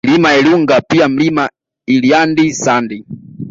Milima ya Ilunga pia Mlima Ilyandi Sandi